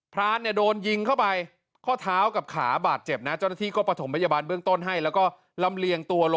พรานเนี่ยโดนยิงเข้าไปข้อเท้ากับขาบาดเจ็บนะเจ้าหน้าที่ก็ประถมพยาบาลเบื้องต้นให้